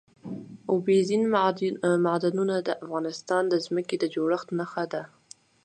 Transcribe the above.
اوبزین معدنونه د افغانستان د ځمکې د جوړښت نښه ده.